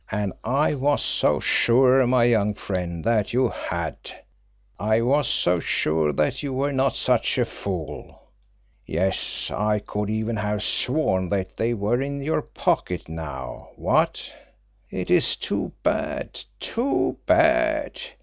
"And I was so sure, my young friend, that you had. I was so sure that you were not such a fool. Yes; I could even have sworn that they were in your pocket now what? It is too bad too bad!